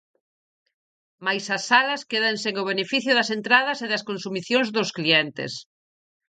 Mais as salas quedan sen o beneficio das entradas e das consumicións dos clientes.